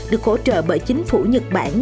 được hỗ trợ bởi chính phủ nhật bản